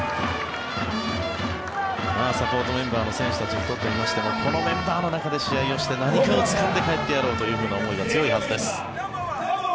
サポートメンバーの選手にとってみましてもこのメンバーの中で試合をして何かをつかんで帰ってやろうという思いは強いはずです。